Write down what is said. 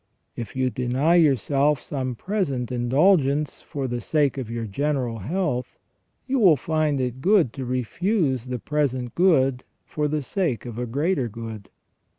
If you deny yourself some present indulgence for the sake of your general health, you find it good to refuse the present good for the sake of a greater good.